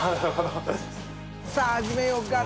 さぁ始めようか」